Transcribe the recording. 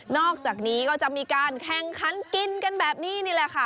อกจากนี้ก็จะมีการแข่งขันกินกันแบบนี้นี่แหละค่ะ